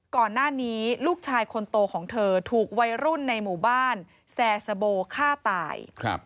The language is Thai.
ก่อนหน้านี้ลูกชายคนโตของเธอถูกวัยรุ่นในหมู่บ้านแซสโบฆ่าตาย